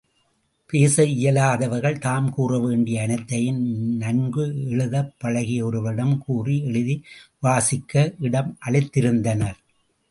பேச இயலாதவர்கள் தாம் கூறவேண்டிய அனைத்தையும் நன்கு எழுதப் பழகிய ஒருவரிடம் கூறி, எழுதி வாசிக்க இடம் அளித்திருந்தனர்.